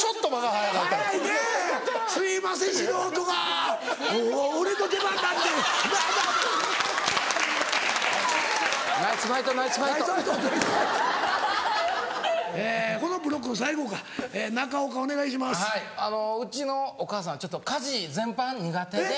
はいうちのお母さんちょっと家事全般苦手で。